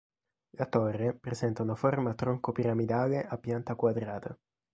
La torre presenta una forma tronco piramidale a pianta quadrata.